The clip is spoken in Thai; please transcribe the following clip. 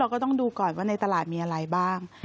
ก็ต้องดูก่อนว่าในตลาดมีอะไรบ้าง